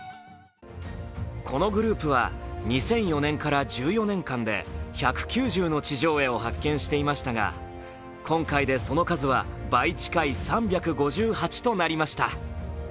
このグループは２００４年から１４年間で１９０の地上絵を発見していましたが今回でその数は倍近い３５８となりました。